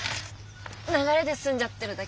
流れで住んじゃってるだけだし。